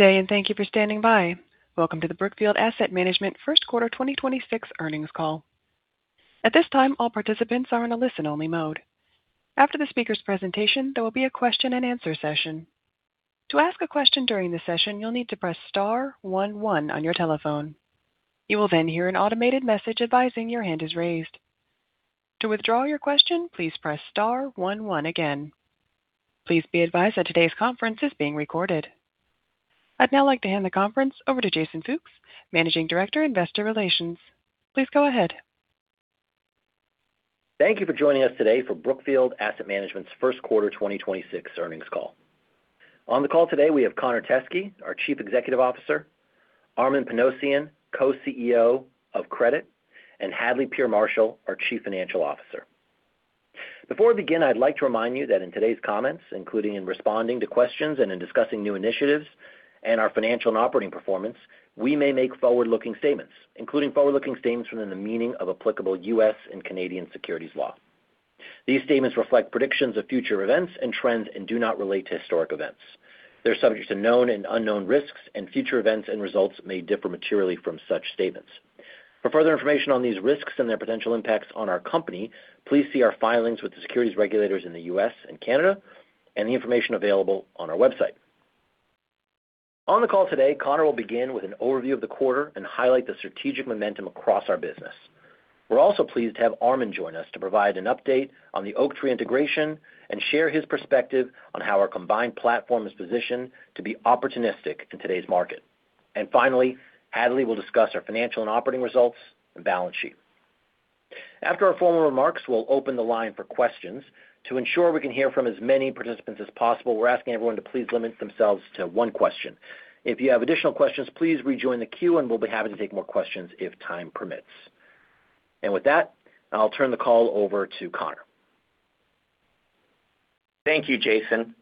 Good day, and thank you for standing by. Welcome to the Brookfield Asset Management first quarter 2026 earnings call. At this time all participants are in a listening mode. After speaker presentation there will be question-and-answer session. To ask a question during the session you need to press star one one on your telephone. You'll then hear an automated message advising your hands is raised. To withdraw your question please press star one one again. Please be advised that todays conference is being recorded. I'd now like to hand the conference over to Jason Fooks, Managing Director, Investor Relations. Please go ahead. Thank you for joining us today for Brookfield Asset Management's first quarter 2026 earnings call. On the call today, we have Connor Teskey, our Chief Executive Officer, Armen Panossian, Co-CEO of Credit, and Hadley Peer Marshall, our Chief Financial Officer. Before we begin, I'd like to remind you that in today's comments, including in responding to questions and in discussing new initiatives and our financial and operating performance, we may make forward-looking statements, including forward-looking statements within the meaning of applicable U.S. and Canadian securities law. These statements reflect predictions of future events and trends and do not relate to historic events. They're subject to known and unknown risks, and future events and results may differ materially from such statements. For further information on these risks and their potential impacts on our company, please see our filings with the securities regulators in the U.S. and Canada and the information available on our website. On the call today, Connor will begin with an overview of the quarter and highlight the strategic momentum across our business. We're also pleased to have Armen join us to provide an update on the Oaktree integration and share his perspective on how our combined platform is positioned to be opportunistic in today's market. Finally, Hadley will discuss our financial and operating results and balance sheet. After our formal remarks, we'll open the line for questions. To ensure we can hear from as many participants as possible, we're asking everyone to please limit themselves to one question. If you have additional questions, please rejoin the queue, and we'll be happy to take more questions if time permits. With that, I'll turn the call over to Connor. Thank you, Jason,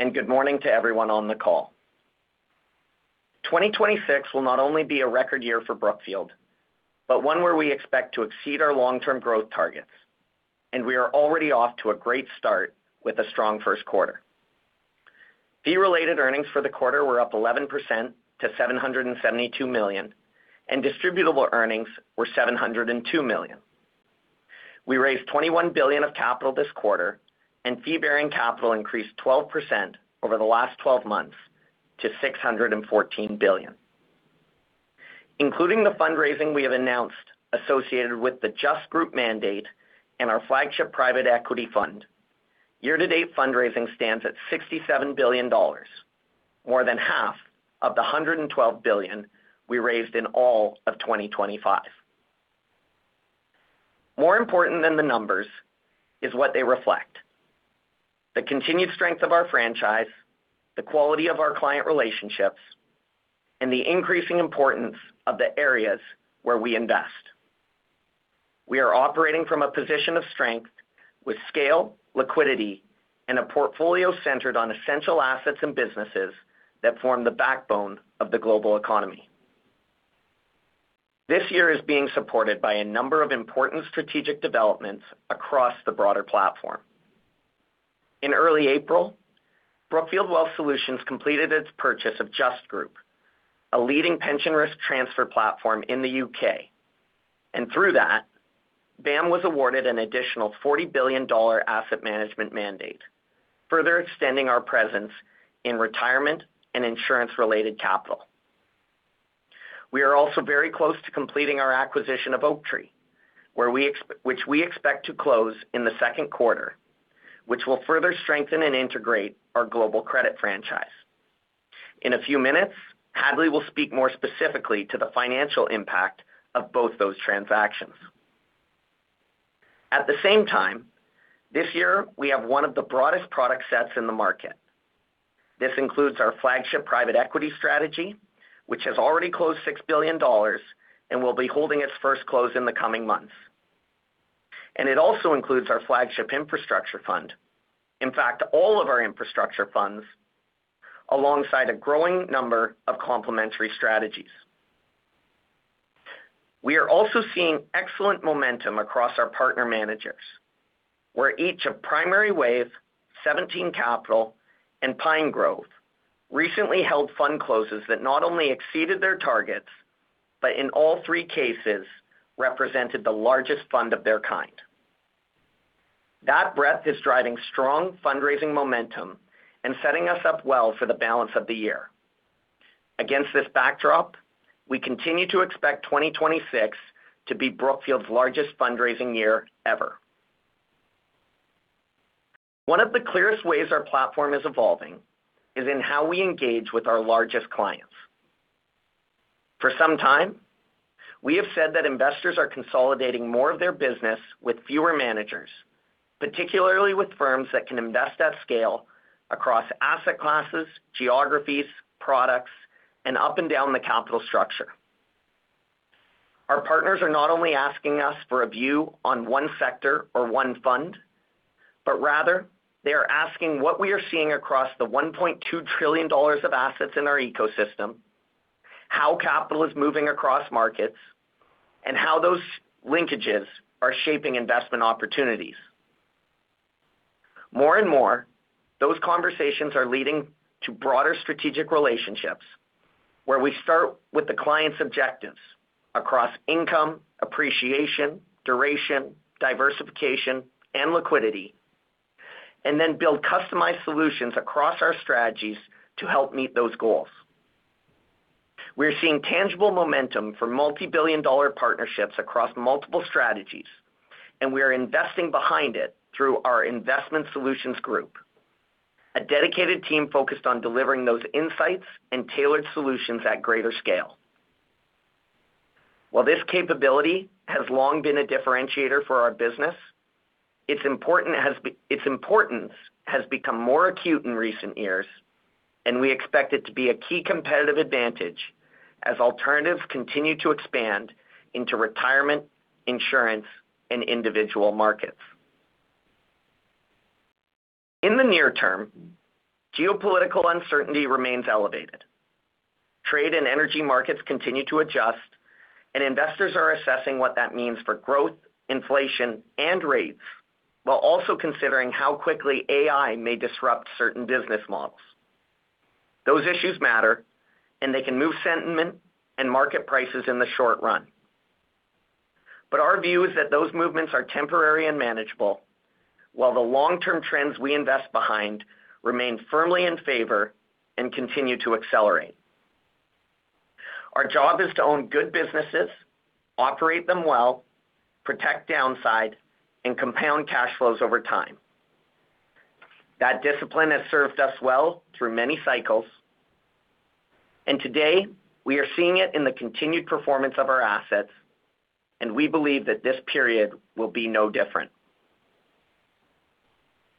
and good morning to everyone on the call. 2026 will not only be a record year for Brookfield, but one where we expect to exceed our long-term growth targets, and we are already off to a great start with a strong first quarter. Fee-related earnings for the quarter were up 11% to $772 million, and distributable earnings were $702 million. We raised $21 billion of capital this quarter, and fee-bearing capital increased 12% over the last 12 months to $614 billion. Including the fundraising we have announced associated with the Just Group mandate and our flagship private equity fund, year-to-date fundraising stands at $67 billion, more than half of the $112 billion we raised in all of 2025. More important than the numbers is what they reflect. The continued strength of our franchise, the quality of our client relationships, and the increasing importance of the areas where we invest. We are operating from a position of strength with scale, liquidity, and a portfolio centered on essential assets and businesses that form the backbone of the global economy. This year is being supported by a number of important strategic developments across the broader platform. In early April, Brookfield Wealth Solutions completed its purchase of Just Group, a leading pension risk transfer platform in the U.K. Through that, BAM was awarded an additional $40 billion asset management mandate, further extending our presence in retirement and insurance-related capital. We are also very close to completing our acquisition of Oaktree, which we expect to close in the second quarter, which will further strengthen and integrate our global credit franchise. In a few minutes, Hadley will speak more specifically to the financial impact of both those transactions. This year we have one of the broadest product sets in the market. This includes our flagship private equity strategy, which has already closed $6 billion and will be holding its first close in the coming months. It also includes our flagship infrastructure fund, in fact, all of our infrastructure funds, alongside a growing number of complementary strategies. We are also seeing excellent momentum across our partner managers, where each of Primary Wave, 17Capital, and Pinegrove recently held fund closes that not only exceeded their targets, but in all three cases represented the largest fund of their kind. That breadth is driving strong fundraising momentum and setting us up well for the balance of the year. Against this backdrop, we continue to expect 2026 to be Brookfield's largest fundraising year ever. One of the clearest ways our platform is evolving is in how we engage with our largest clients. For some time, we have said that investors are consolidating more of their business with fewer managers, particularly with firms that can invest at scale across asset classes, geographies, products, and up and down the capital structure. Our partners are not only asking us for a view on one sector or one fund, but rather they are asking what we are seeing across the $1.2 trillion of assets in our ecosystem, how capital is moving across markets, and how those linkages are shaping investment opportunities. More and more, those conversations are leading to broader strategic relationships where we start with the client's objectives across income, appreciation, duration, diversification, and liquidity, and then build customized solutions across our strategies to help meet those goals. We're seeing tangible momentum for multi-billion dollar partnerships across multiple strategies, and we are investing behind it through our Investment Solutions Group. A dedicated team focused on delivering those insights and tailored solutions at greater scale. While this capability has long been a differentiator for our business, its importance has become more acute in recent years, and we expect it to be a key competitive advantage as alternatives continue to expand into retirement, insurance, and individual markets. In the near term, geopolitical uncertainty remains elevated. Trade and energy markets continue to adjust, and investors are assessing what that means for growth, inflation, and rates, while also considering how quickly AI may disrupt certain business models. Those issues matter, and they can move sentiment and market prices in the short run. Our view is that those movements are temporary and manageable, while the long-term trends we invest behind remain firmly in favor and continue to accelerate. Our job is to own good businesses, operate them well, protect downside, and compound cash flows over time. That discipline has served us well through many cycles. Today, we are seeing it in the continued performance of our assets, and we believe that this period will be no different.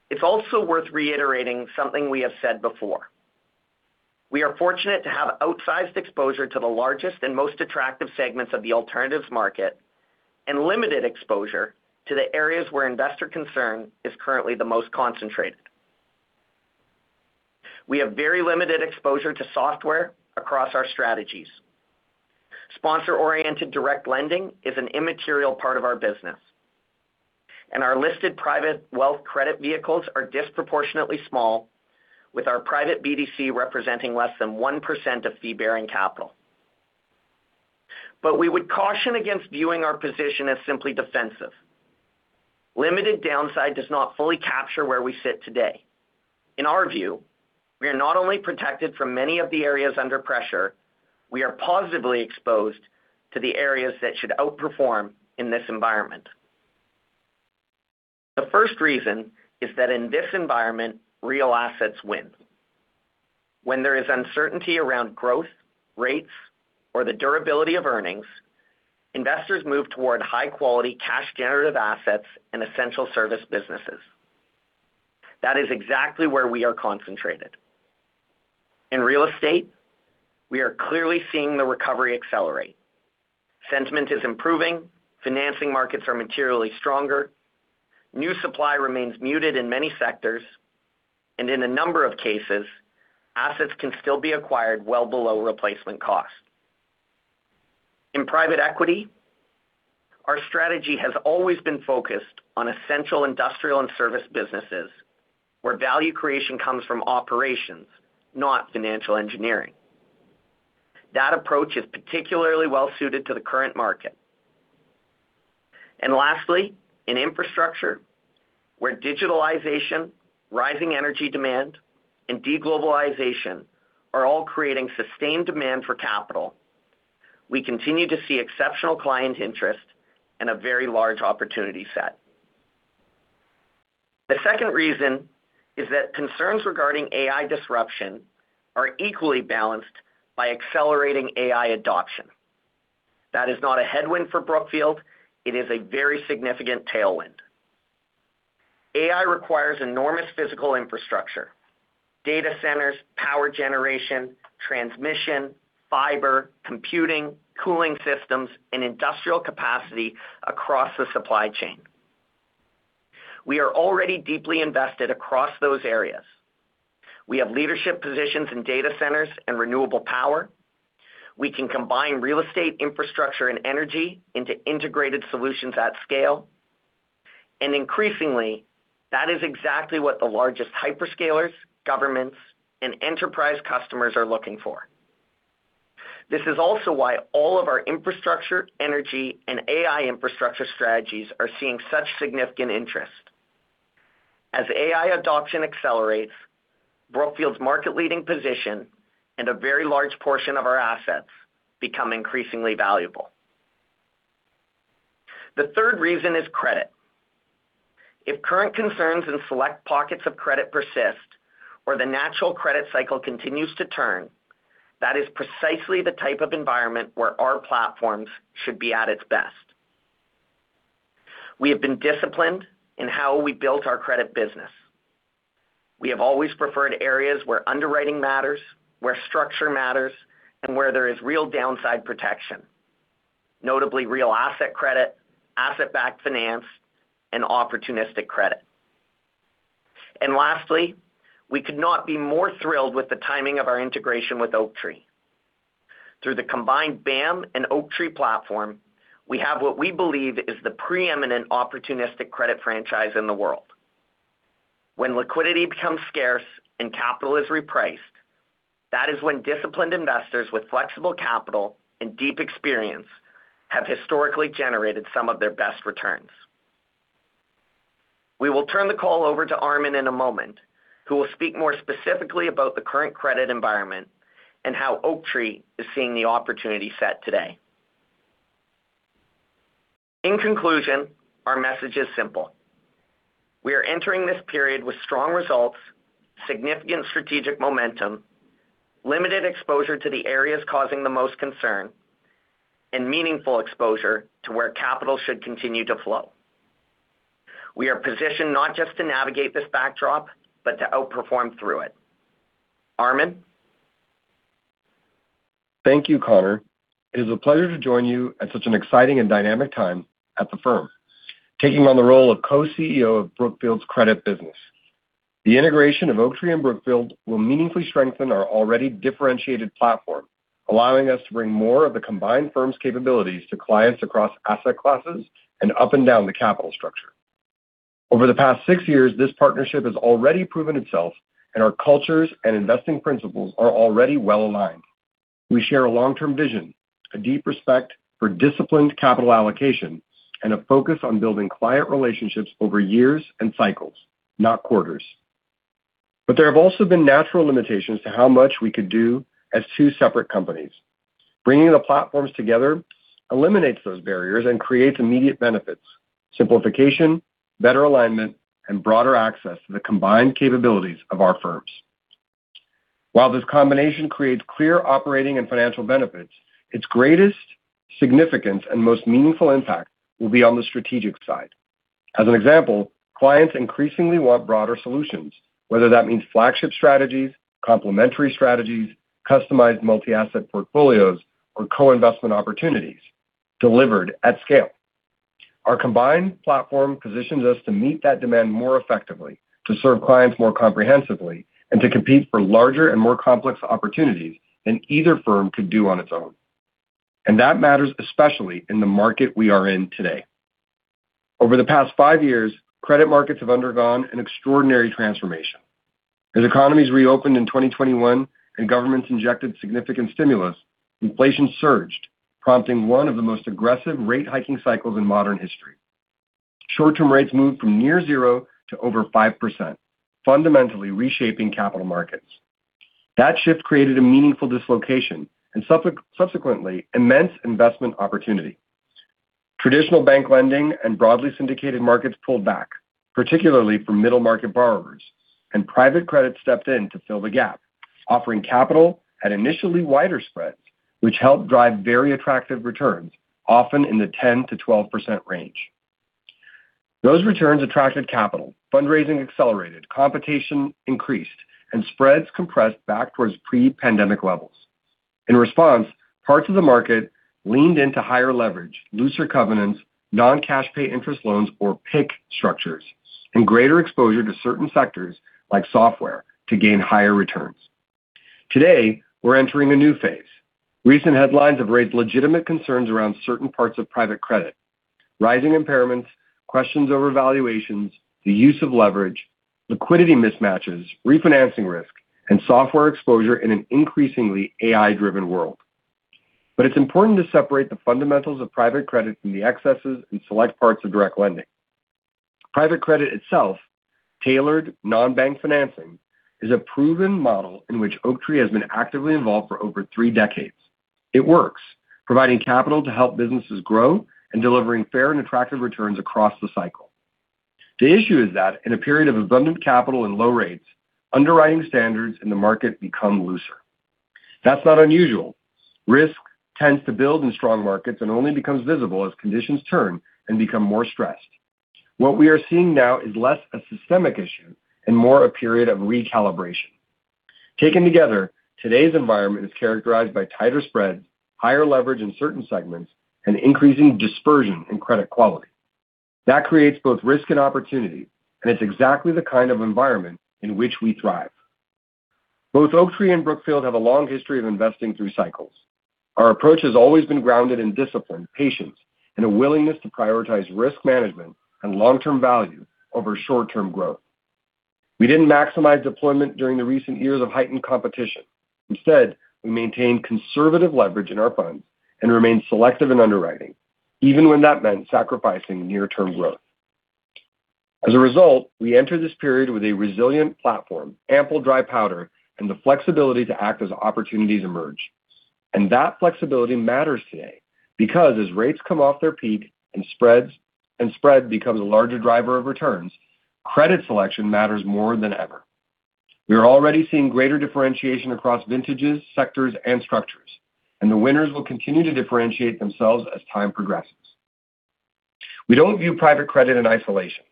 It's also worth reiterating something we have said before. We are fortunate to have outsized exposure to the largest and most attractive segments of the alternatives market and limited exposure to the areas where investor concern is currently the most concentrated. We have very limited exposure to software across our strategies. Sponsor-oriented direct lending is an immaterial part of our business. Our listed private wealth credit vehicles are disproportionately small, with our private BDC representing less than 1% of fee-bearing capital. We would caution against viewing our position as simply defensive. Limited downside does not fully capture where we sit today. In our view, we are not only protected from many of the areas under pressure, we are positively exposed to the areas that should outperform in this environment. The first reason is that in this environment, real assets win. When there is uncertainty around growth, rates, or the durability of earnings, investors move toward high-quality cash generative assets and essential service businesses. That is exactly where we are concentrated. In real estate, we are clearly seeing the recovery accelerate. Sentiment is improving, financing markets are materially stronger, new supply remains muted in many sectors, and in a number of cases, assets can still be acquired well below replacement cost. In private equity, our strategy has always been focused on essential industrial and service businesses where value creation comes from operations, not financial engineering. That approach is particularly well suited to the current market. Lastly, in infrastructure, where digitalization, rising energy demand, and de-globalization are all creating sustained demand for capital. We continue to see exceptional client interest and a very large opportunity set. The second reason is that concerns regarding AI disruption are equally balanced by accelerating AI adoption. That is not a headwind for Brookfield, it is a very significant tailwind. AI requires enormous physical infrastructure, data centers, power generation, transmission, fiber, computing, cooling systems, and industrial capacity across the supply chain. We are already deeply invested across those areas. We have leadership positions in data centers and renewable power. We can combine real estate infrastructure and energy into integrated solutions at scale. Increasingly, that is exactly what the largest hyperscalers, governments, and enterprise customers are looking for. This is also why all of our infrastructure, energy, and AI infrastructure strategies are seeing such significant interest. As AI adoption accelerates, Brookfield's market-leading position and a very large portion of our assets become increasingly valuable. The third reason is credit. If current concerns in select pockets of credit persist or the natural credit cycle continues to turn, that is precisely the type of environment where our platforms should be at its best. We have been disciplined in how we built our credit business. We have always preferred areas where underwriting matters, where structure matters, and where there is real downside protection. Notably real asset credit, asset-backed finance, and opportunistic credit. Lastly, we could not be more thrilled with the timing of our integration with Oaktree. Through the combined BAM and Oaktree platform, we have what we believe is the preeminent opportunistic credit franchise in the world. When liquidity becomes scarce and capital is repriced, that is when disciplined investors with flexible capital and deep experience have historically generated some of their best returns. We will turn the call over to Armen in a moment, who will speak more specifically about the current credit environment and how Oaktree is seeing the opportunity set today. In conclusion, our message is simple. We are entering this period with strong results, significant strategic momentum, limited exposure to the areas causing the most concern, and meaningful exposure to where capital should continue to flow. We are positioned not just to navigate this backdrop, but to outperform through it. Armen? Thank you, Connor. It is a pleasure to join you at such an exciting and dynamic time at the firm, taking on the role of Co-CEO of Brookfield's credit business. The integration of Oaktree and Brookfield will meaningfully strengthen our already differentiated platform, allowing us to bring more of the combined firm's capabilities to clients across asset classes and up and down the capital structure. Over the past six years, this partnership has already proven itself, and our cultures and investing principles are already well-aligned. We share a long-term vision, a deep respect for disciplined capital allocation, and a focus on building client relationships over years and cycles, not quarters. There have also been natural limitations to how much we could do as two separate companies. Bringing the platforms together eliminates those barriers and creates immediate benefits, simplification, better alignment, and broader access to the combined capabilities of our firms. While this combination creates clear operating and financial benefits, its greatest significance and most meaningful impact will be on the strategic side. As an example, clients increasingly want broader solutions, whether that means flagship strategies, complementary strategies, customized multi-asset portfolios, or co-investment opportunities delivered at scale. Our combined platform positions us to meet that demand more effectively, to serve clients more comprehensively, and to compete for larger and more complex opportunities than either firm could do on its own. That matters especially in the market we are in today. Over the past five years, credit markets have undergone an extraordinary transformation. As economies reopened in 2021 and governments injected significant stimulus, inflation surged, prompting one of the most aggressive rate hiking cycles in modern history. Short-term rates moved from near 0% to over 5%, fundamentally reshaping capital markets. That shift created a meaningful dislocation and subsequently immense investment opportunity. Traditional bank lending and broadly syndicated markets pulled back, particularly for middle market borrowers, and private credit stepped in to fill the gap. Offering capital at initially wider spreads, which helped drive very attractive returns, often in the 10%-12% range. Those returns attracted capital, fundraising accelerated, competition increased, and spreads compressed back towards pre-pandemic levels. In response, parts of the market leaned into higher leverage, looser covenants, non-cash pay interest loans or PIK structures, and greater exposure to certain sectors like software to gain higher returns. Today, we're entering a new phase. Recent headlines have raised legitimate concerns around certain parts of private credit, rising impairments, questions over valuations, the use of leverage, liquidity mismatches, refinancing risk, and software exposure in an increasingly AI-driven world. It's important to separate the fundamentals of private credit from the excesses in select parts of direct lending. Private credit itself, tailored non-bank financing, is a proven model in which Oaktree has been actively involved for over three decades. It works, providing capital to help businesses grow and delivering fair and attractive returns across the cycle. The issue is that in a period of abundant capital and low rates, underwriting standards in the market become looser. That's not unusual. Risk tends to build in strong markets and only becomes visible as conditions turn and become more stressed. What we are seeing now is less a systemic issue and more a period of recalibration. Taken together, today's environment is characterized by tighter spreads, higher leverage in certain segments, and increasing dispersion in credit quality. That creates both risk and opportunity, and it's exactly the kind of environment in which we thrive. Both Oaktree and Brookfield have a long history of investing through cycles. Our approach has always been grounded in discipline, patience, and a willingness to prioritize risk management and long-term value over short-term growth. We didn't maximize deployment during the recent years of heightened competition. Instead, we maintained conservative leverage in our funds and remained selective in underwriting, even when that meant sacrificing near-term growth. As a result, we enter this period with a resilient platform, ample dry powder, and the flexibility to act as opportunities emerge. That flexibility matters today because as rates come off their peak and spread becomes a larger driver of returns, credit selection matters more than ever. We are already seeing greater differentiation across vintages, sectors, and structures, and the winners will continue to differentiate themselves as time progresses. We don't view private credit in isolation.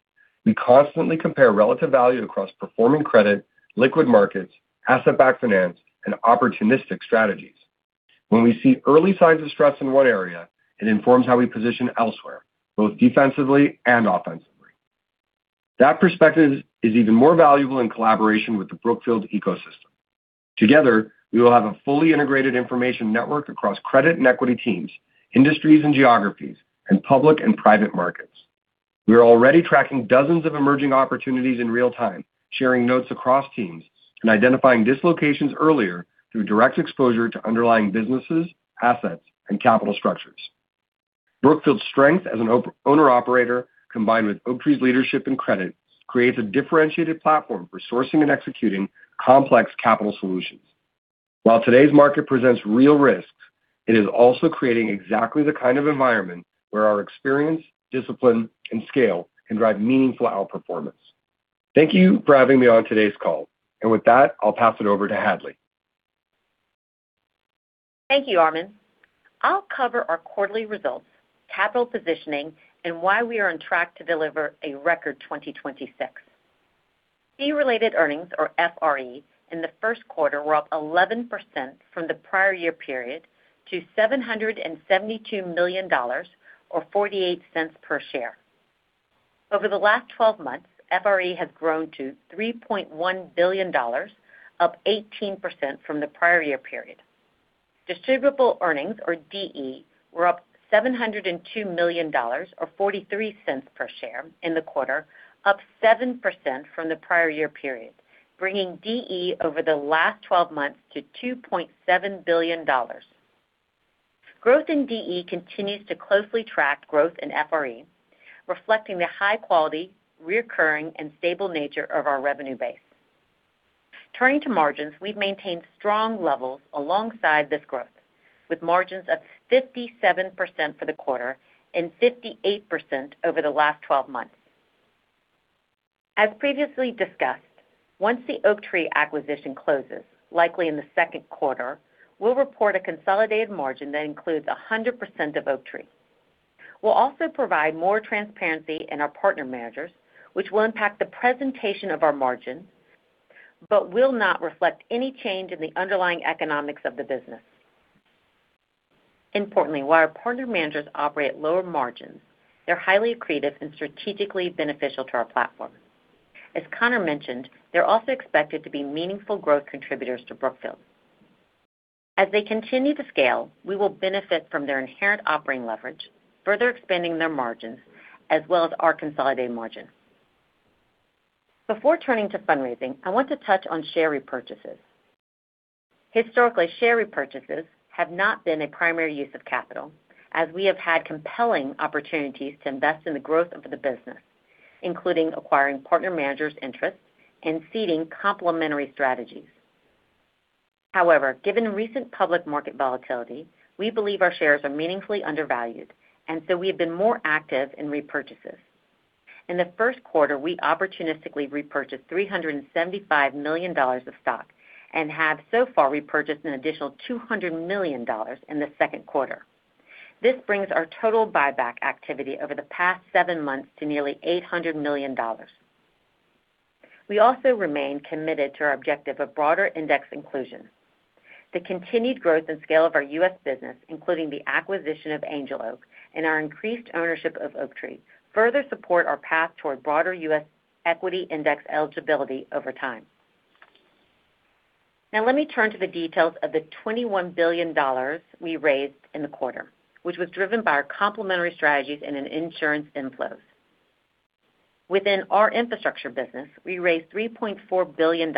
We constantly compare relative value across performing credit, liquid markets, asset-backed finance, and opportunistic strategies. When we see early signs of stress in one area, it informs how we position elsewhere, both defensively and offensively. That perspective is even more valuable in collaboration with the Brookfield ecosystem. Together, we will have a fully integrated information network across credit and equity teams, industries and geographies, and public and private markets. We are already tracking dozens of emerging opportunities in real time, sharing notes across teams, and identifying dislocations earlier through direct exposure to underlying businesses, assets, and capital structures. Brookfield's strength as an owner-operator, combined with Oaktree's leadership in credit, creates a differentiated platform for sourcing and executing complex capital solutions. While today's market presents real risks, it is also creating exactly the kind of environment where our experience, discipline, and scale can drive meaningful outperformance. Thank you for having me on today's call. With that, I'll pass it over to Hadley. Thank you, Armen. I'll cover our quarterly results, capital positioning, and why we are on track to deliver a record 2026. Fee-related earnings, or FRE, in the first quarter were up 11% from the prior year period to $772 million, or $0.48 per share. Over the last 12 months, FRE has grown to $3.1 billion, up 18% from the prior year period. Distributable earnings, or DE, were up $702 million or $0.43 per share in the quarter, up 7% from the prior year period, bringing DE over the last 12 months to $2.7 billion. Growth in DE continues to closely track growth in FRE, reflecting the high quality, reoccurring, and stable nature of our revenue base. Turning to margins, we've maintained strong levels alongside this growth, with margins of 57% for the quarter and 58% over the last 12 months. As previously discussed, once the Oaktree acquisition closes, likely in the second quarter, we'll report a consolidated margin that includes 100% of Oaktree. We'll also provide more transparency in our partner managers, which will impact the presentation of our margin but will not reflect any change in the underlying economics of the business. Importantly, while our partner managers operate lower margins, they're highly accretive and strategically beneficial to our platform. As Connor mentioned, they're also expected to be meaningful growth contributors to Brookfield. As they continue to scale, we will benefit from their inherent operating leverage, further expanding their margins as well as our consolidated margin. Before turning to fundraising, I want to touch on share repurchases. Historically, share repurchases have not been a primary use of capital, as we have had compelling opportunities to invest in the growth of the business, including acquiring partner managers' interests and seeding complementary strategies. Given recent public market volatility, we believe our shares are meaningfully undervalued, and so we have been more active in repurchases. In the first quarter, we opportunistically repurchased $375 million of stock and have so far repurchased an additional $200 million in the second quarter. This brings our total buyback activity over the past seven months to nearly $800 million. We also remain committed to our objective of broader index inclusion. The continued growth and scale of our U.S. business, including the acquisition of Angel Oak and our increased ownership of Oaktree, further support our path toward broader U.S. equity index eligibility over time. Now let me turn to the details of the $21 billion we raised in the quarter, which was driven by our complementary strategies and in insurance inflows. Within our infrastructure business, we raised $3.4 billion,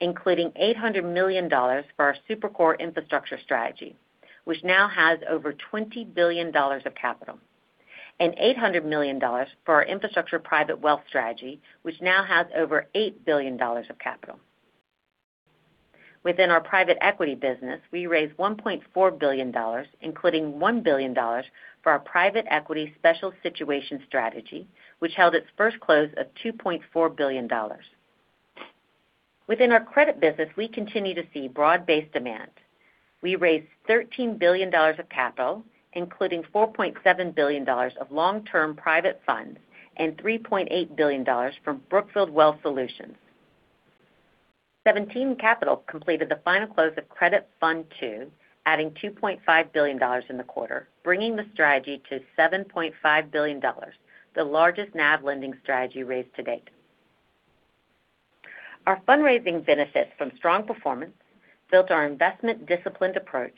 including $800 million for our Super-Core Infrastructure strategy, which now has over $20 billion of capital, and $800 million for our infrastructure private wealth strategy, which now has over $8 billion of capital. Within our private equity business, we raised $1.4 billion, including $1 billion for our private equity special situation strategy, which held its first close of $2.4 billion. Within our credit business, we continue to see broad-based demand. We raised $13 billion of capital, including $4.7 billion of long-term private funds and $3.8 billion from Brookfield Wealth Solutions. 17Capital completed the final close of Credit Fund II, adding $2.5 billion in the quarter, bringing the strategy to $7.5 billion, the largest NAV lending strategy raised to date. Our fundraising benefits from strong performance built on our investment-disciplined approach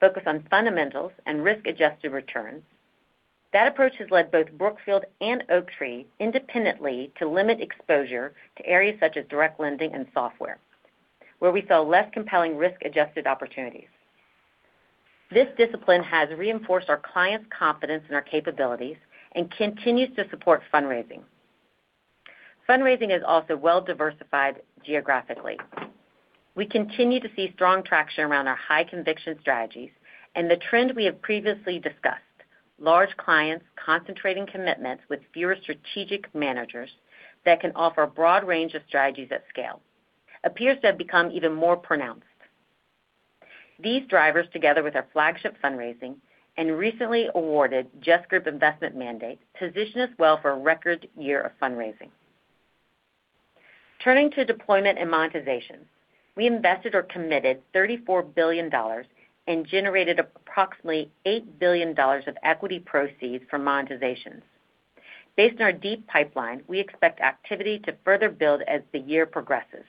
focused on fundamentals and risk-adjusted returns. That approach has led both Brookfield and Oaktree independently to limit exposure to areas such as direct lending and software, where we saw less compelling risk-adjusted opportunities. This discipline has reinforced our clients' confidence in our capabilities and continues to support fundraising. Fundraising is also well diversified geographically. We continue to see strong traction around our high-conviction strategies and the trend we have previously discussed. Large clients concentrating commitments with fewer strategic managers that can offer a broad range of strategies at scale appears to have become even more pronounced. These drivers, together with our flagship fundraising and recently awarded Just Group investment mandate, position us well for a record year of fundraising. Turning to deployment and monetization. We invested or committed $34 billion and generated approximately $8 billion of equity proceeds from monetization. Based on our deep pipeline, we expect activity to further build as the year progresses.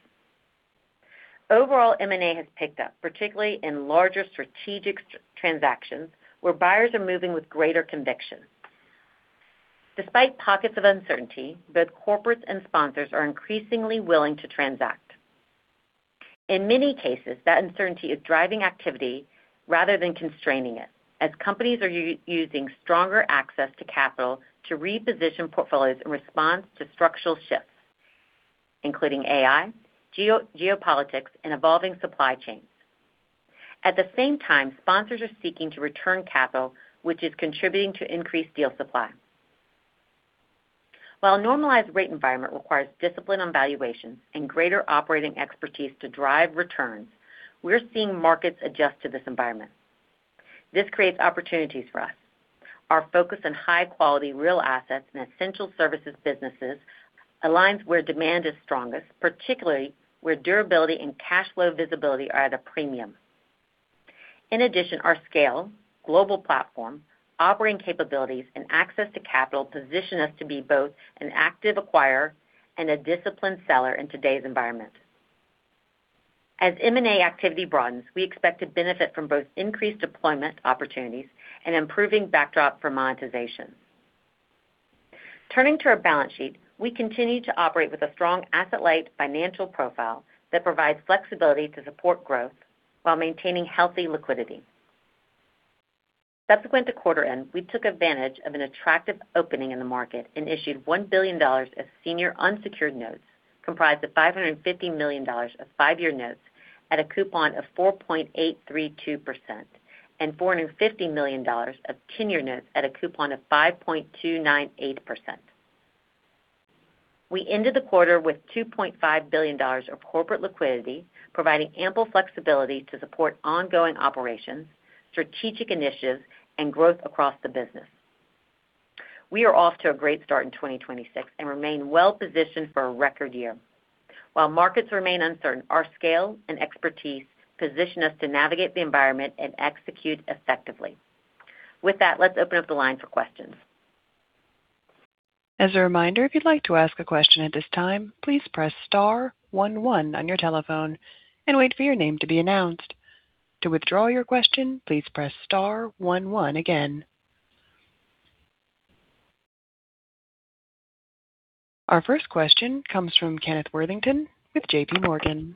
Overall, M&A has picked up, particularly in larger strategic transactions where buyers are moving with greater conviction. Despite pockets of uncertainty, both corporates and sponsors are increasingly willing to transact. In many cases, that uncertainty is driving activity rather than constraining it, as companies are using stronger access to capital to reposition portfolios in response to structural shifts, including AI, geopolitics, and evolving supply chains. At the same time, sponsors are seeking to return capital, which is contributing to increased deal supply. While normalized rate environment requires discipline on valuation and greater operating expertise to drive returns, we're seeing markets adjust to this environment. This creates opportunities for us. Our focus on high quality real assets and essential services businesses aligns where demand is strongest, particularly where durability and cash flow visibility are at a premium. In addition, our scale, global platform, operating capabilities, and access to capital position us to be both an active acquirer and a disciplined seller in today's environment. As M&A activity broadens, we expect to benefit from both increased deployment opportunities and improving backdrop for monetization. Turning to our balance sheet, we continue to operate with a strong asset-light financial profile that provides flexibility to support growth while maintaining healthy liquidity. Subsequent to quarter end, we took advantage of an attractive opening in the market and issued $1 billion of senior unsecured notes comprised of $550 million of five year notes at a coupon of 4.832% and $450 million of 10-year notes at a coupon of 5.298%. We ended the quarter with $2.5 billion of corporate liquidity, providing ample flexibility to support ongoing operations, strategic initiatives, and growth across the business. We are off to a great start in 2026 and remain well positioned for a record year. While markets remain uncertain, our scale and expertise position us to navigate the environment and execute effectively. With that, let's open up the line for questions. As a reminder, if you'd like to ask a question at this time, please press star one one on your telephone and wait for your name to be announced. To withdraw your question, please press star one one again. Our first question comes from Kenneth Worthington with JPMorgan.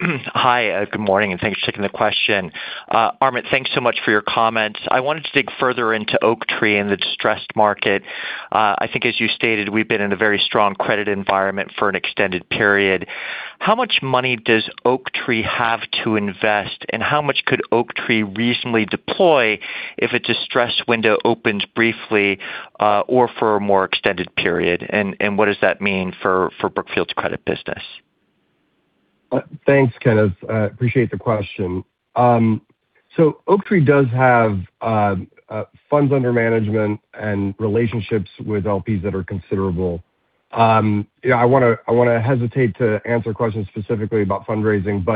Hi, good morning, and thanks for taking the question. Armen, thanks so much for your comments. I wanted to dig further into Oaktree and the distressed market. I think as you stated, we've been in a very strong credit environment for an extended period. How much money does Oaktree have to invest, and how much could Oaktree reasonably deploy if a distressed window opens briefly or for a more extended period? What does that mean for Brookfield's credit business? Thanks, Kenneth. I appreciate the question. Oaktree does have funds under management and relationships with LPs that are considerable. You know, I wanna hesitate to answer questions specifically about fundraising,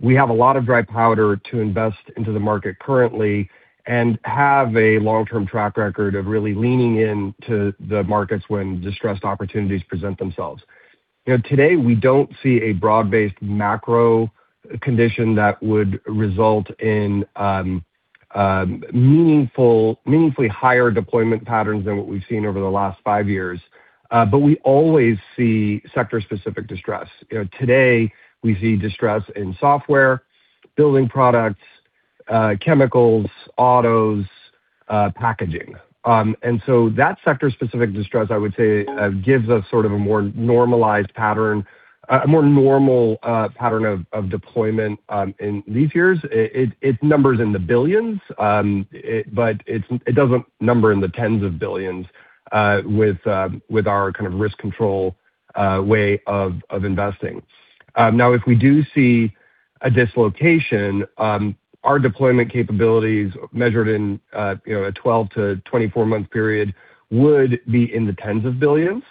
we have a lot of dry powder to invest into the market currently and have a long-term track record of really leaning into the markets when distressed opportunities present themselves. You know, today we don't see a broad-based macro condition that would result in meaningfully higher deployment patterns than what we've seen over the last five years. We always see sector-specific distress. You know, today we see distress in software, building products, chemicals, autos, packaging. That sector-specific distress, I would say, gives us sort of a more normalized pattern, a more normal pattern of deployment in these years. It numbers in the billions, but it doesn't number in the tens of billions with our kind of risk control way of investing. Now, if we do see a dislocation, our deployment capabilities measured in, you know, a 12-24 month period would be in the tens of billions.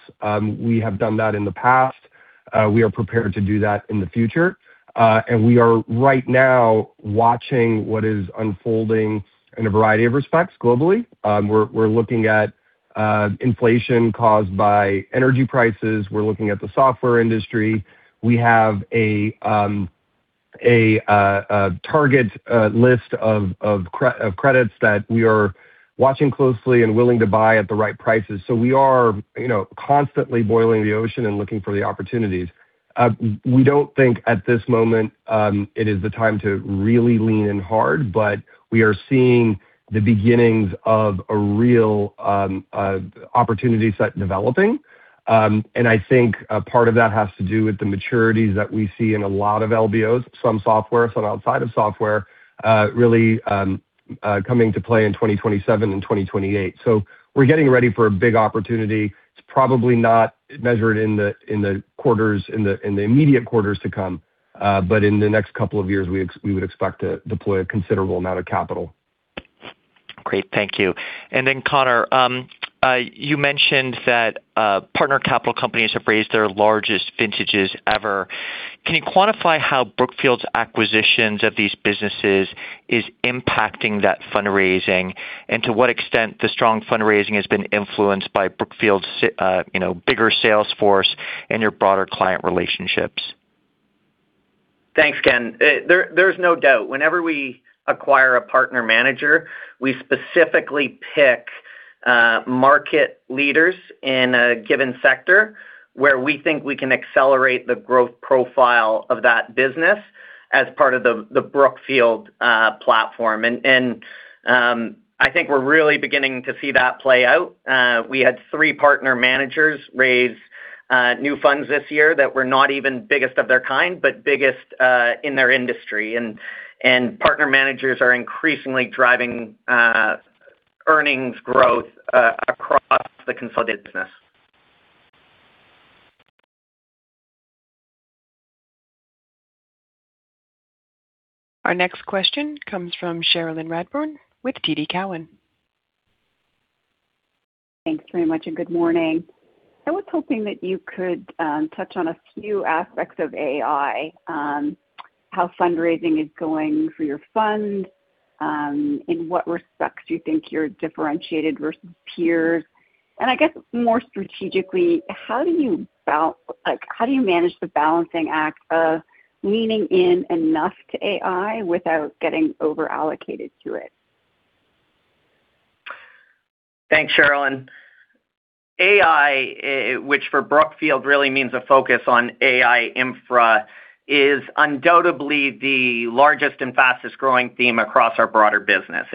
We have done that in the past. We are prepared to do that in the future. We are right now watching what is unfolding in a variety of respects globally. We're looking at inflation caused by energy prices. We're looking at the software industry. We have a target list of credits that we are watching closely and willing to buy at the right prices. We are, you know, constantly boiling the ocean and looking for the opportunities. We don't think at this moment it is the time to really lean in hard, but we are seeing the beginnings of a real opportunity set developing. I think a part of that has to do with the maturities that we see in a lot of LBOs, some software, some outside of software, really coming to play in 2027 and 2028. We're getting ready for a big opportunity. It's probably not measured in the immediate quarters to come. In the next couple of years, we would expect to deploy a considerable amount of capital. Great. Thank you. Then Connor, you mentioned that partner capital companies have raised their largest vintages ever. Can you quantify how Brookfield's acquisitions of these businesses is impacting that fundraising and to what extent the strong fundraising has been influenced by Brookfield's you know, bigger sales force and your broader client relationships? Thanks, Ken. There's no doubt. Whenever we acquire a partner manager, we specifically pick market leaders in a given sector where we think we can accelerate the growth profile of that business as part of the Brookfield platform. I think we're really beginning to see that play out. We had three partner managers raise new funds this year that were not even biggest of their kind, but biggest in their industry. Partner managers are increasingly driving earnings growth across the consolidated business. Our next question comes from Cherilyn Radbourne with TD Cowen. Thanks very much, and good morning. I was hoping that you could touch on a few aspects of AI, how fundraising is going for your fund, in what respects you think you're differentiated versus peers. I guess more strategically, how do you like, how do you manage the balancing act of leaning in enough to AI without getting over-allocated to it? Thanks, Cherilyn. AI, which for Brookfield really means a focus on AI infra, is undoubtedly the largest and fastest-growing theme across our broader business.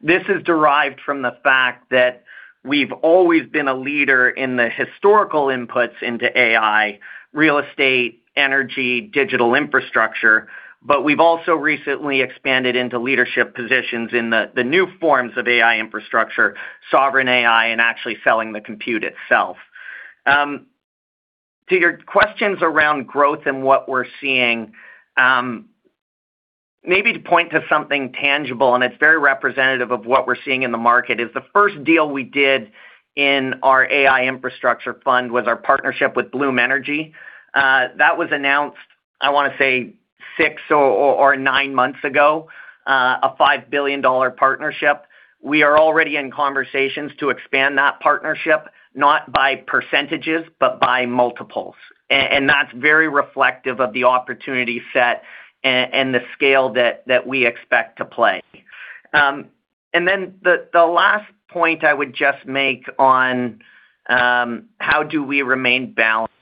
This is derived from the fact that we've always been a leader in the historical inputs into AI, real estate, energy, digital infrastructure, but we've also recently expanded into leadership positions in the new forms of AI infrastructure, sovereign AI, and actually selling the compute itself. To your questions around growth and what we're seeing, maybe to point to something tangible, and it's very representative of what we're seeing in the market, is the first deal we did in our AI infrastructure fund was our partnership with Bloom Energy. That was announced, I wanna say, six or nine months ago, a $5 billion partnership. We are already in conversations to expand that partnership, not by percentages, but by multiples. That's very reflective of the opportunity set and the scale that we expect to play. Then the last point I would just make on how do we remain balanced.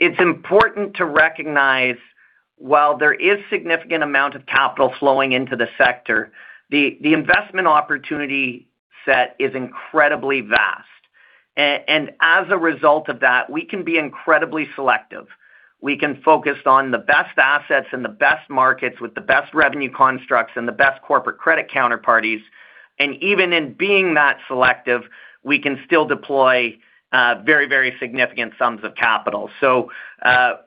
It's important to recognize while there is significant amount of capital flowing into the sector, the investment opportunity set is incredibly vast. As a result of that, we can be incredibly selective. We can focus on the best assets and the best markets with the best revenue constructs and the best corporate credit counterparties. Even in being that selective, we can still deploy very, very significant sums of capital.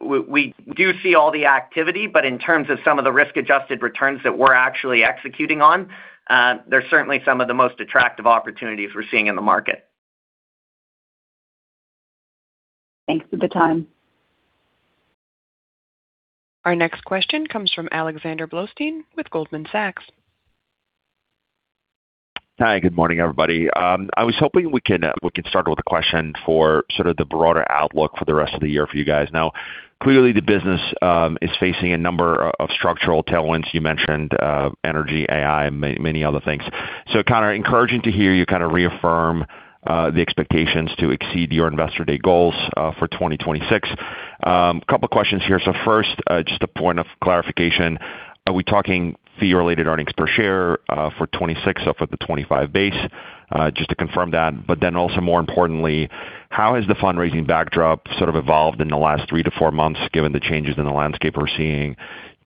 We do see all the activity, but in terms of some of the risk-adjusted returns that we're actually executing on, they're certainly some of the most attractive opportunities we're seeing in the market. Thanks for the time. Our next question comes from Alexander Blostein with Goldman Sachs. Hi. Good morning, everybody. I was hoping we can start with a question for the broader outlook for the rest of the year for you guys. Clearly the business is facing a number of structural tailwinds. You mentioned energy, AI, many other things. Encouraging to hear you reaffirm the expectations to exceed your investor day goals for 2026. Couple questions here. First, just a point of clarification. Are we talking fee-related earnings per share for 2026 off of the 2025 base? Just to confirm that. Also more importantly, how has the fundraising backdrop evolved in the last three to four months given the changes in the landscape we're seeing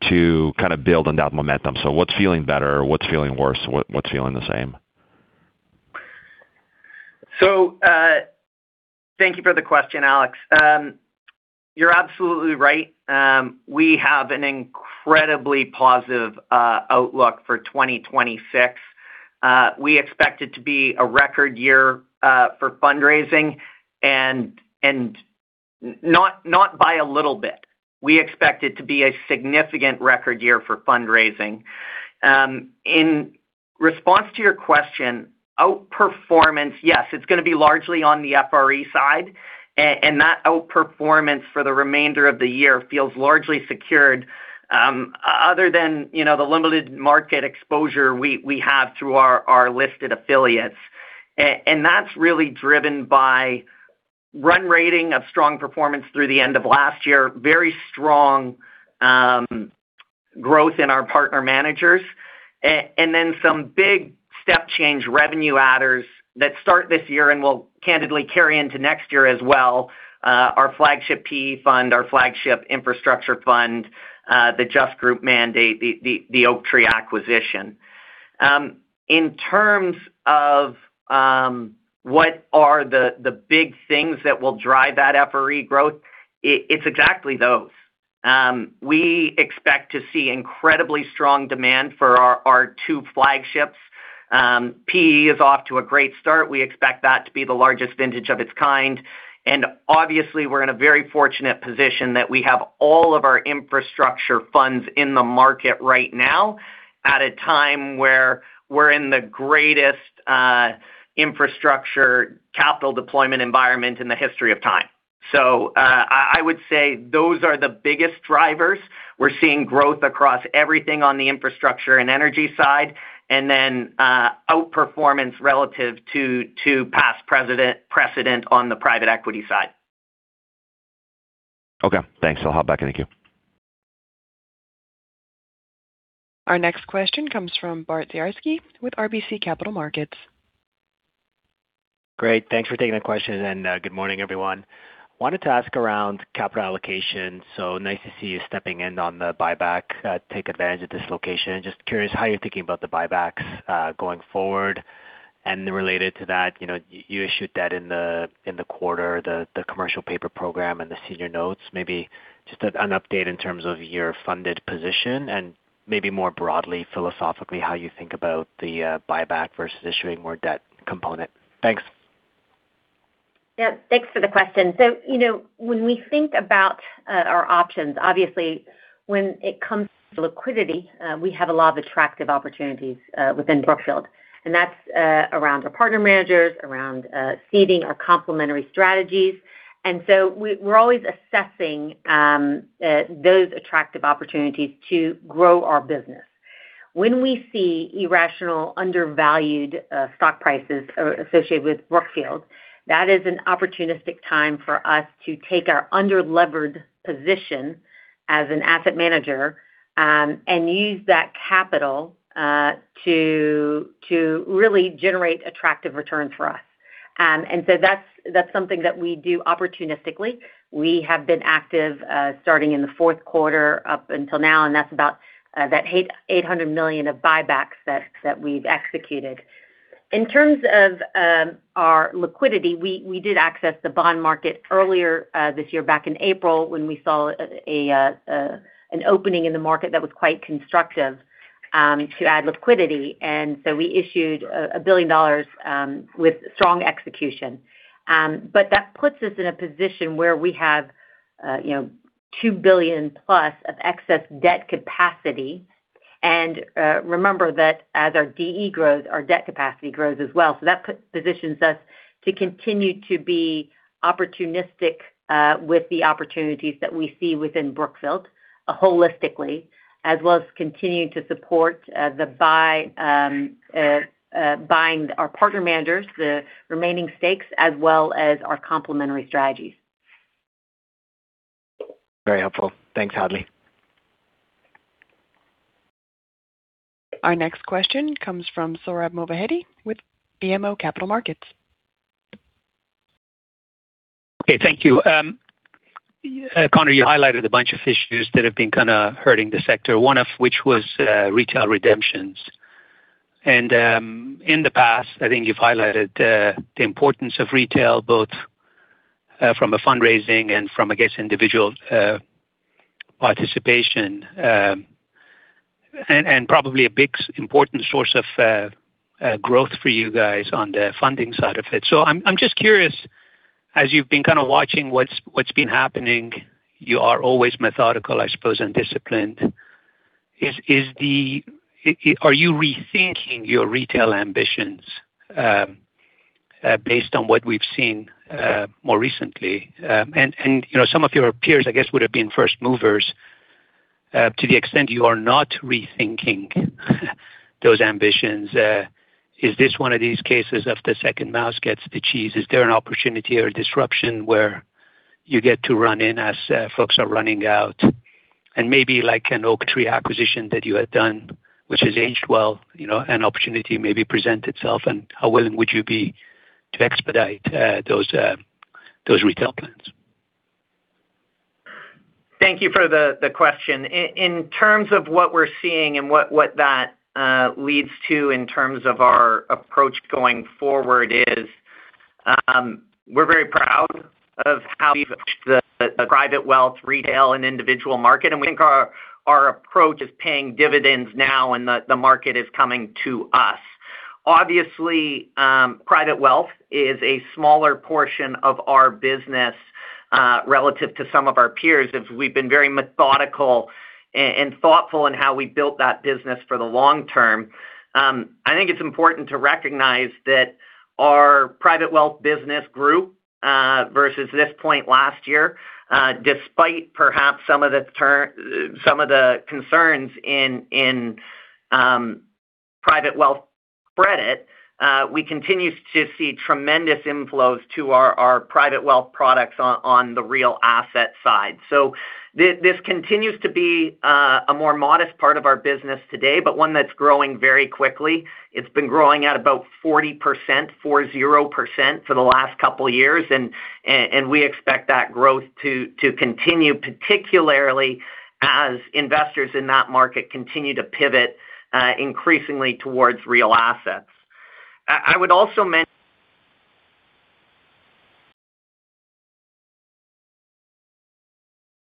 to build on that momentum? What's feeling better? What's feeling worse? What's feeling the same? Thank you for the question, Alex. You're absolutely right. We have an incredibly positive outlook for 2026. We expect it to be a record year for fundraising and not by a little bit. We expect it to be a significant record year for fundraising. In response to your question, outperformance, yes, it's gonna be largely on the FRE side. And that outperformance for the remainder of the year feels largely secured, other than, you know, the limited market exposure we have through our listed affiliates. That's really driven by run rating of strong performance through the end of last year, very strong growth in our partner managers, and then some big step change revenue adders that start this year and will candidly carry into next year as well, our flagship PE fund, our flagship infrastructure fund, the Just Group mandate, the Oaktree acquisition. In terms of what are the big things that will drive that FRE growth, it's exactly those. We expect to see incredibly strong demand for our two flagships. PE is off to a great start. We expect that to be the largest vintage of its kind. Obviously, we're in a very fortunate position that we have all of our infrastructure funds in the market right now at a time where we're in the greatest infrastructure capital deployment environment in the history of time. I would say those are the biggest drivers. We're seeing growth across everything on the infrastructure and energy side, and then outperformance relative to past precedent on the private equity side. Okay, thanks. I'll hop back in. Thank you. Our next question comes from Bart Dziarski with RBC Capital Markets. Great. Thanks for taking the question. Good morning, everyone. Wanted to ask around capital allocation. Nice to see you stepping in on the buyback, take advantage of this valuation. Just curious how you're thinking about the buybacks going forward. Related to that, you know, you issued debt in the quarter, the commercial paper program and the senior notes. Maybe just an update in terms of your funded position and maybe more broadly, philosophically, how you think about the buyback versus issuing more debt component. Thanks. Yeah, thanks for the question. You know, when we think about our options, obviously when it comes to liquidity, we have a lot of attractive opportunities within Brookfield. That's around our partner managers, around seeding our complementary strategies. We're always assessing those attractive opportunities to grow our business. When we see irrational undervalued stock prices associated with Brookfield, that is an opportunistic time for us to take our under-levered position as an asset manager and use that capital to really generate attractive return for us. That's, that's something that we do opportunistically. We have been active starting in the fourth quarter up until now, and that's about that $800 million of buybacks that we've executed. In terms of our liquidity, we did access the bond market earlier this year back in April when we saw an opening in the market that was quite constructive to add liquidity. We issued $1 billion with strong execution. That puts us in a position where we have, you know, $2 billion+ of excess debt capacity. Remember that as our DE grows, our debt capacity grows as well. That positions us to continue to be opportunistic with the opportunities that we see within Brookfield holistically, as well as continue to support the buying our partner managers the remaining stakes, as well as our complementary strategies. Very helpful. Thanks, Hadley. Our next question comes from Sohrab Movahedi with BMO Capital Markets. Okay, thank you. Connor, you highlighted a bunch of issues that have been kinda hurting the sector, one of which was retail redemptions. In the past, I think you've highlighted the importance of retail, both from a fundraising and from, I guess, individual participation, and probably a big important source of growth for you guys on the funding side of it. I'm just curious, as you've been kinda watching what's been happening, you are always methodical, I suppose, and disciplined. Are you rethinking your retail ambitions based on what we've seen more recently? You know, some of your peers, I guess, would have been first movers. To the extent you are not rethinking those ambitions, is this one of these cases of the second mouse gets the cheese? Is there an opportunity or a disruption where you get to run in as folks are running out? Maybe like an Oaktree acquisition that you had done, which has aged well, you know, an opportunity maybe present itself, and how willing would you be to expedite those retail plans? Thank you for the question. In terms of what we're seeing and what that leads to in terms of our approach going forward is, we're very proud of how we've approached the private wealth, retail, and individual market, and we think our approach is paying dividends now and the market is coming to us. Obviously, private wealth is a smaller portion of our business relative to some of our peers, as we've been very methodical and thoughtful in how we built that business for the long term. I think it's important to recognize that our private wealth business grew versus this point last year. Despite perhaps some of the concerns in private wealth credit, we continue to see tremendous inflows to our private wealth products on the real asset side. This continues to be a more modest part of our business today, but one that's growing very quickly. It's been growing at about 40% for the last couple years, and we expect that growth to continue, particularly as investors in that market continue to pivot increasingly towards real assets. I would also mention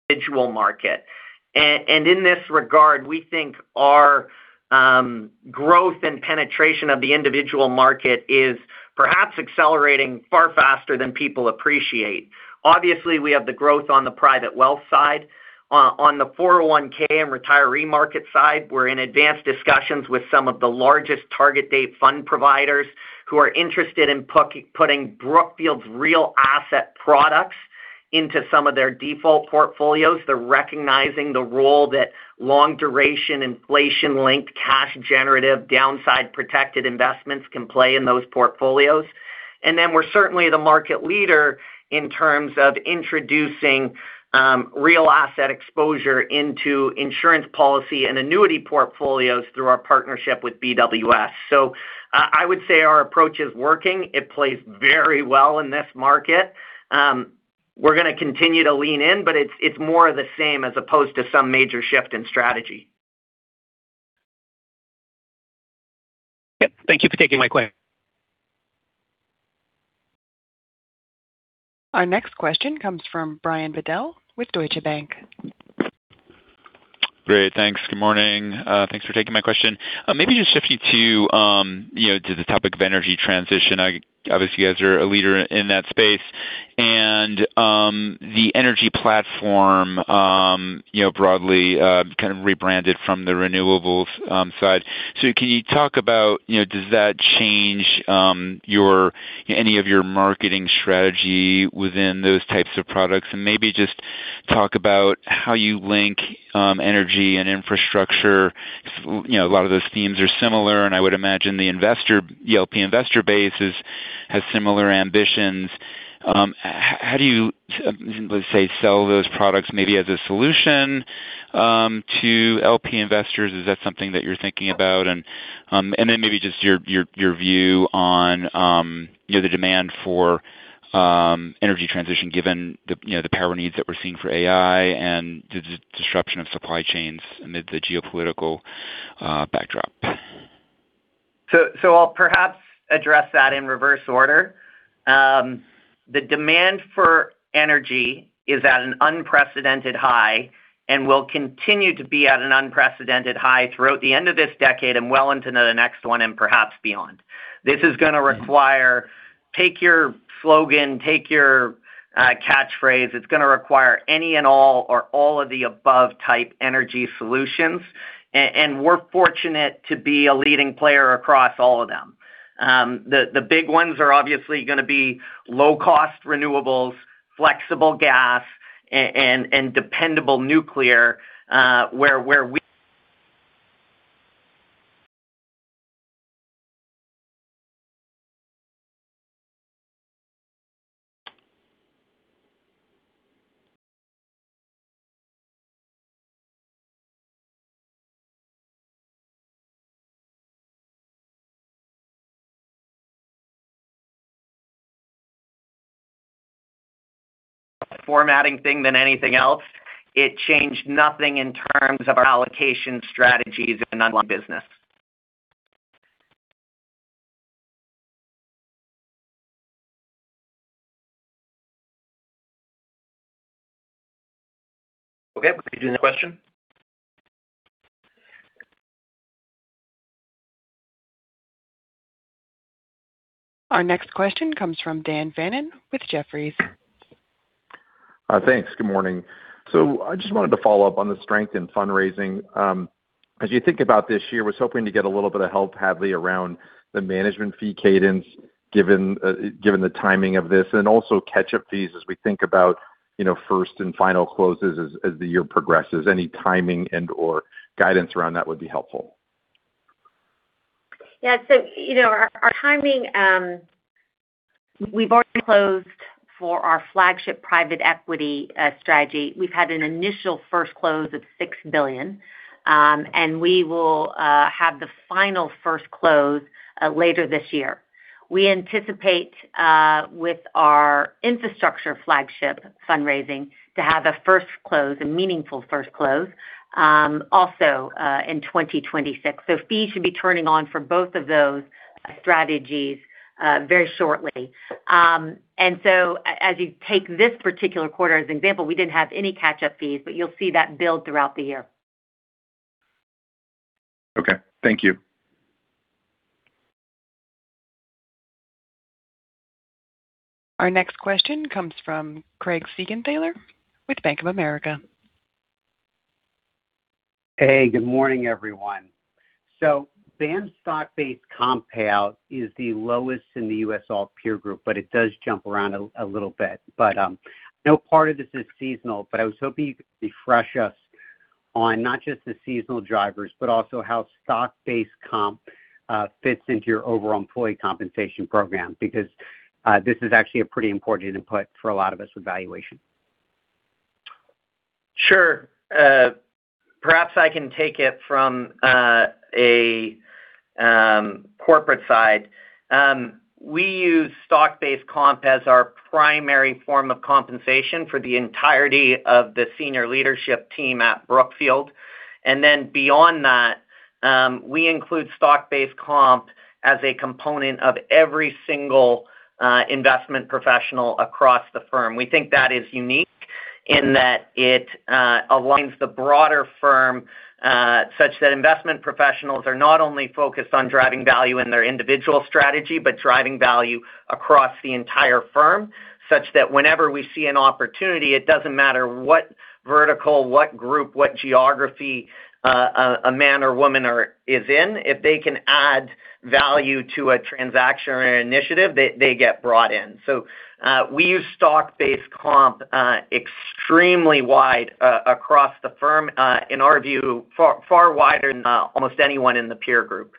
individual market. In this regard, we think our growth and penetration of the individual market is perhaps accelerating far faster than people appreciate. Obviously, we have the growth on the private wealth side. On the 401(k) and retiree market side, we're in advanced discussions with some of the largest target date fund providers who are interested in putting Brookfield's real asset products into some of their default portfolios. They're recognizing the role that long duration, inflation-linked, cash generative, downside protected investments can play in those portfolios. We're certainly the market leader in terms of introducing real asset exposure into insurance policy and annuity portfolios through our partnership with BWS. I would say our approach is working. It plays very well in this market. We're gonna continue to lean in, but it's more of the same as opposed to some major shift in strategy. Yep. Thank you for taking my question. Our next question comes from Brian Bedell with Deutsche Bank. Great. Thanks. Good morning. Thanks for taking my question. Maybe just shift you to, you know, to the topic of energy transition. Obviously, you guys are a leader in that space, and the energy platform, you know, broadly, kind of rebranded from the renewables side. Can you talk about, you know, does that change any of your marketing strategy within those types of products? Maybe just talk about how you link energy and infrastructure. You know, a lot of those themes are similar, and I would imagine the LP investor base has similar ambitions. How do you, let's say, sell those products maybe as a solution to LP investors? Is that something that you're thinking about? Maybe just your view on, you know, the demand for energy transition given the, you know, the power needs that we're seeing for AI and the disruption of supply chains amid the geopolitical backdrop. I'll perhaps address that in reverse order. The demand for energy is at an unprecedented high and will continue to be at an unprecedented high throughout the end of this decade and well into the next one and perhaps beyond. This is gonna require, take your slogan, take your catchphrase. It's gonna require any and all or all of the above type energy solutions, and we're fortunate to be a leading player across all of them. The big ones are obviously gonna be low-cost renewables, flexible gas, and dependable nuclear, where we-- Thing than anything else. It changed nothing in terms of our allocation strategies and underlying business. Okay. We can do the next question. Our next question comes from Dan Fannon with Jefferies. Thanks. Good morning. I just wanted to follow up on the strength in fundraising. As you think about this year, I was hoping to get a little bit of help, Hadley, around the management fee cadence given the timing of this, and also catch-up fees as we think about, you know, first and final closes as the year progresses. Any timing and/or guidance around that would be helpful. Yeah. You know, our timing, we've already closed for our flagship private equity strategy. We've had an initial first close of $6 billion. We will have the final first close later this year. We anticipate with our infrastructure flagship fundraising to have a first close, a meaningful first close, also in 2026. Fees should be turning on for both of those strategies very shortly. As you take this particular quarter as an example, we didn't have any catch-up fees, but you'll see that build throughout the year. Okay. Thank you. Our next question comes from Craig Siegenthaler with Bank of America. Hey, good morning, everyone. BAM's stock-based comp payout is the lowest in the U.S. alt peer group, but it does jump around a little bit. I know part of this is seasonal, but I was hoping you could refresh us on not just the seasonal drivers, but also how stock-based comp fits into your overall employee compensation program. This is actually a pretty important input for a lot of us with valuation. Sure. Perhaps I can take it from a corporate side. We use stock-based comp as our primary form of compensation for the entirety of the senior leadership team at Brookfield. Beyond that, we include stock-based comp as a component of every single investment professional across the firm. We think that is unique in that it aligns the broader firm such that investment professionals are not only focused on driving value in their individual strategy, but driving value across the entire firm, such that whenever we see an opportunity, it doesn't matter what vertical, what group, what geography, a man or woman is in, if they can add value to a transaction or initiative, they get brought in. We use stock-based comp, extremely wide across the firm, in our view, far, far wider than almost anyone in the peer group.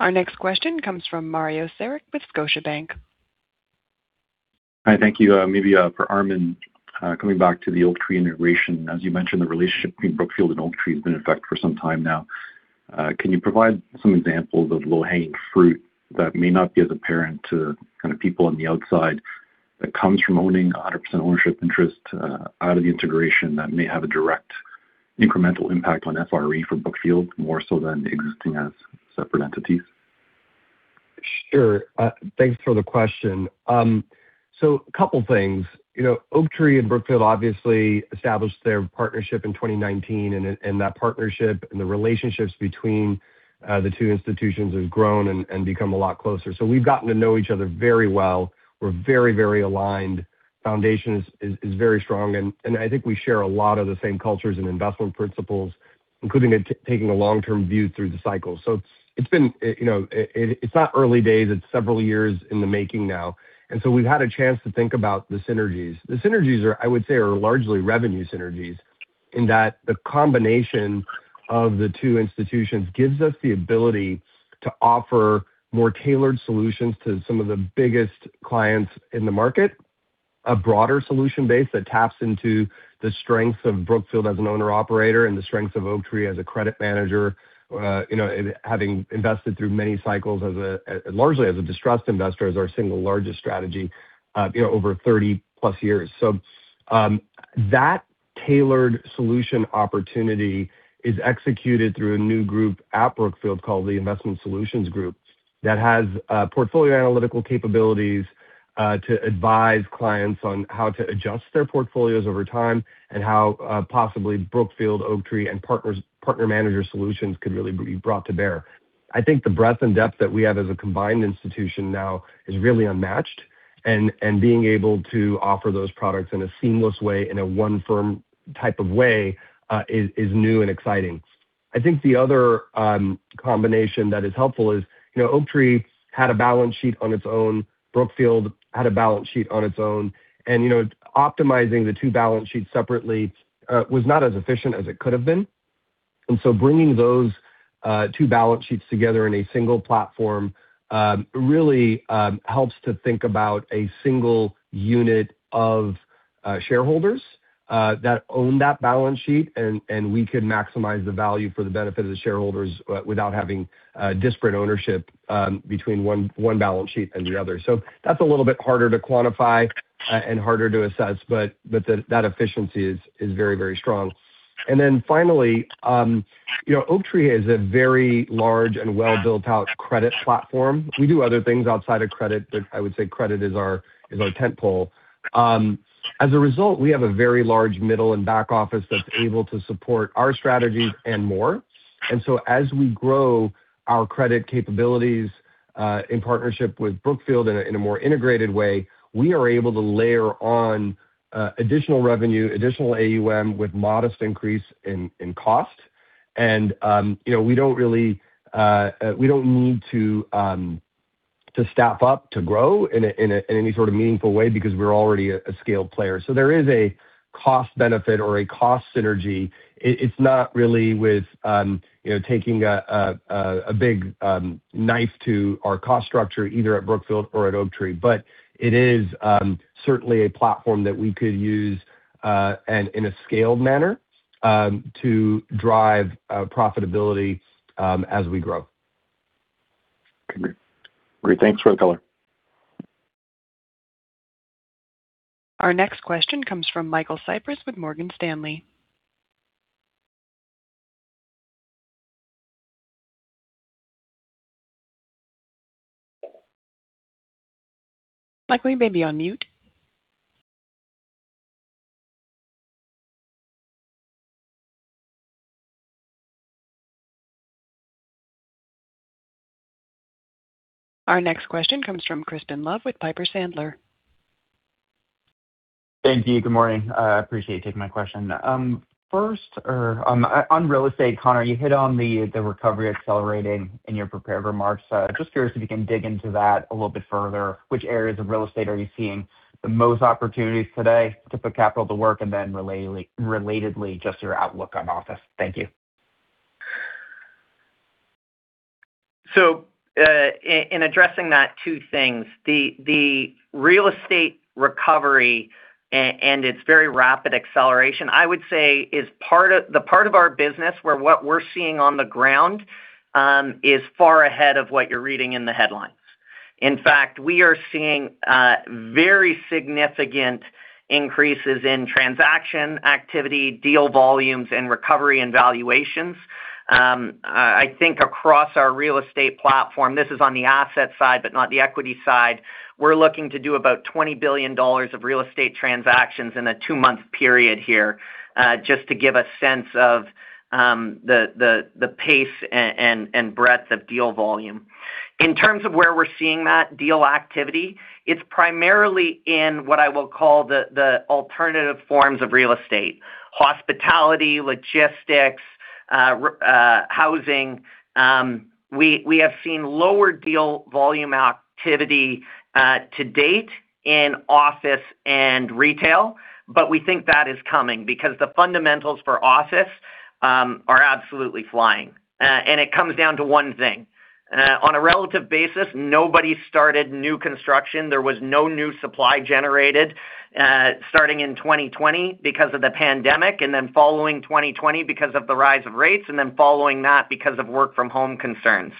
Our next question comes from Mario Saric with Scotiabank. Hi, thank you. Maybe for Armen, coming back to the Oaktree integration. As you mentioned, the relationship between Brookfield and Oaktree has been in effect for some time now. Can you provide some examples of low-hanging fruit that may not be as apparent to kind of people on the outside that comes from owning a 100% ownership interest out of the integration that may have a direct incremental impact on FRE for Brookfield, more so than existing as separate entities? Sure. Thanks for the question. A couple things. You know, Oaktree and Brookfield obviously established their partnership in 2019, and that partnership and the relationships between the two institutions have grown and become a lot closer. We've gotten to know each other very well. We're very, very aligned. Foundation is very strong. And I think we share a lot of the same cultures and investment principles, including taking a long-term view through the cycle. It's been, you know, it's not early days, it's several years in the making now. We've had a chance to think about the synergies. The synergies are largely revenue synergies in that the combination of the two institutions gives us the ability to offer more tailored solutions to some of the biggest clients in the market. A broader solution base that taps into the strength of Brookfield as an owner/operator and the strength of Oaktree as a credit manager, you know, having invested through many cycles as largely as a distressed investor as our single largest strategy, you know, over 30+ years. That tailored solution opportunity is executed through a new group at Brookfield called the Investment Solutions Group that has portfolio analytical capabilities to advise clients on how to adjust their portfolios over time and how possibly Brookfield, Oaktree, and partner manager solutions could really be brought to bear. I think the breadth and depth that we have as a combined institution now is really unmatched. Being able to offer those products in a seamless way, in a one firm type of way, is new and exciting. I think the other combination that is helpful is, you know, Oaktree had a balance sheet on its own. Brookfield had a balance sheet on its own. You know, optimizing the two balance sheets separately was not as efficient as it could have been. Bringing those two balance sheets together in a single platform really helps to think about a single unit of shareholders that own that balance sheet, and we could maximize the value for the benefit of the shareholders without having disparate ownership between one balance sheet and the other. That's a little bit harder to quantify and harder to assess, but that efficiency is very strong. Finally, you know, Oaktree is a very large and well built out credit platform. We do other things outside of credit, but I would say credit is our tent pole. As a result, we have a very large middle and back office that's able to support our strategy and more. As we grow our credit capabilities, in partnership with Brookfield in a more integrated way, we are able to layer on additional revenue, additional AUM with modest increase in cost. We don't really, you know, we don't need to staff up to grow in any sort of meaningful way because we're already a scaled player. There is a cost benefit or a cost synergy. It's not really with, you know, taking a big knife to our cost structure, either at Brookfield or at Oaktree, but it is certainly a platform that we could use, and in a scaled manner, to drive profitability, as we grow. Okay. Great. Thanks for the color. Our next question comes from Michael Cyprys with Morgan Stanley. Michael, you may be on mute. Our next question comes from Crispin Love with Piper Sandler. Thank you. Good morning. I appreciate you taking my question. First or, on real estate, Connor, you hit on the recovery accelerating in your prepared remarks. Just curious if you can dig into that a little bit further. Which areas of real estate are you seeing the most opportunities today to put capital to work? Relatedly, just your outlook on office. Thank you. In addressing that two things, the real estate recovery and its very rapid acceleration, I would say is the part of our business where what we're seeing on the ground is far ahead of what you're reading in the headline. In fact, we are seeing very significant increases in transaction activity, deal volumes, and recovery and valuations. I think across our real estate platform, this is on the asset side but not the equity side. We're looking to do about $20 billion of real estate transactions in a two month period here, just to give a sense of the pace and breadth of deal volume. In terms of where we're seeing that deal activity, it's primarily in what I will call the alternative forms of real estate: hospitality, logistics, housing. We have seen lower deal volume activity to date in office and retail. We think that is coming because the fundamentals for office are absolutely flying. It comes down to one thing. On a relative basis, nobody started new construction. There was no new supply generated starting in 2020 because of the pandemic, and then following 2020 because of the rise of rates, and then following that because of work from home concerns.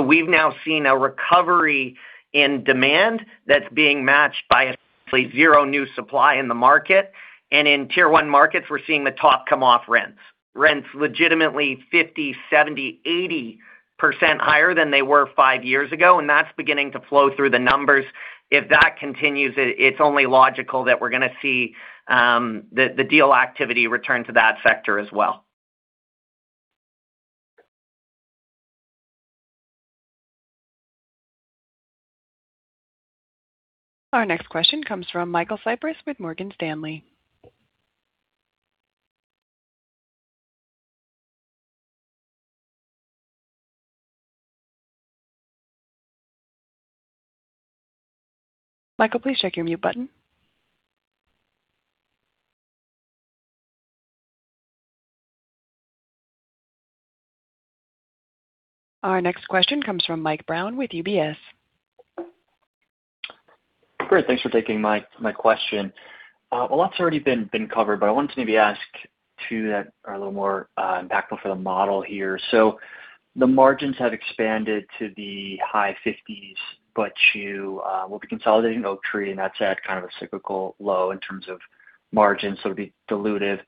We've now seen a recovery in demand that's being matched by essentially zero new supply in the market. In Tier One markets, we're seeing the top come off rents. Rents legitimately 50%, 70%, 80% higher than they were five years ago, and that's beginning to flow through the numbers. If that continues, it's only logical that we're going to see the deal activity return to that sector as well. Our next question comes from Michael Cyprys with Morgan Stanley. Michael, please check your mute button. Our next question comes from Michael Brown with UBS. Great. Thanks for taking my question. A lot's already been covered, I wanted to maybe ask two that are a little more impactful for the model here. The margins have expanded to the high-50s%, but you will be consolidating Oaktree, and that's at kind of a cyclical low in terms of margins, so it will be dilutive.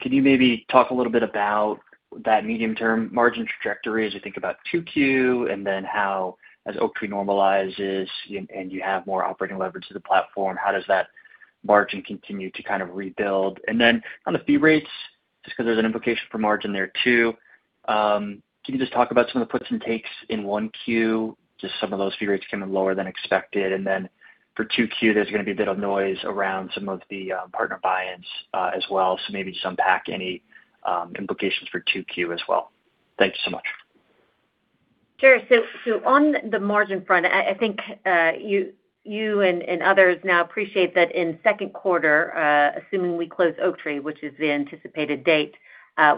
Can you maybe talk a little bit about that medium-term margin trajectory as you think about 2Q and then how as Oaktree normalizes and you have more operating leverage to the platform, how does that margin continue to kind of rebuild? On the fee rates, just 'cause there's an implication for margin there too, can you just talk about some of the puts and takes in 1Q, just some of those fee rates coming lower than expected. For 2Q, there's gonna be a bit of noise around some of the partner buy-ins as well. Maybe just unpack any implications for 2Q as well. Thank you so much. Sure. On the margin front, I think you and others now appreciate that in second quarter, assuming we close Oaktree, which is the anticipated date,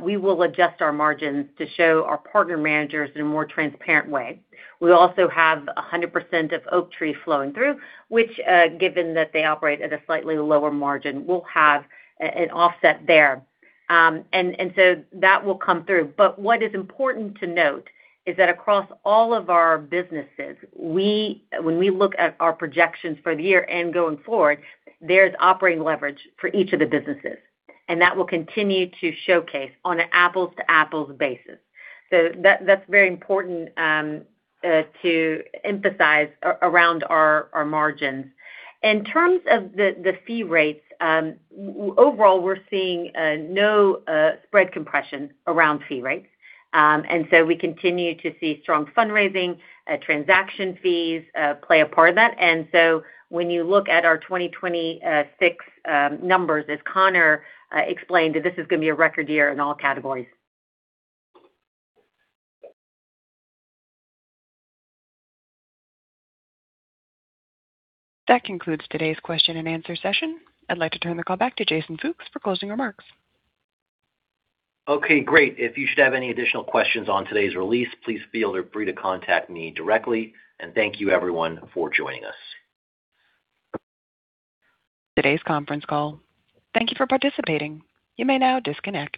we will adjust our margins to show our partner managers in a more transparent way. We also have 100% of Oaktree flowing through, which, given that they operate at a slightly lower margin, we'll have an offset there. That will come through. What is important to note is that across all of our businesses, when we look at our projections for the year and going forward, there's operating leverage for each of the businesses, and that will continue to showcase on an apples to apples basis. That's very important to emphasize around our margins. In terms of the fee rates, overall, we're seeing no spread compression around fee rates. We continue to see strong fundraising, transaction fees play a part of that. When you look at our 2026 numbers, as Connor explained, this is gonna be a record year in all categories. That concludes today's question and answer session. I'd like to turn the call back to Jason Fooks for closing remarks. Okay, great. If you should have any additional questions on today's release, please feel free to contact me directly. Thank you, everyone, for joining us. Today's conference call. Thank you for participating. You may now disconnect.